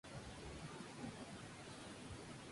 Las letras son de Luque.